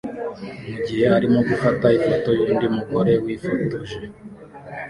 mugihe arimo gufata ifoto yundi mugore wifotoje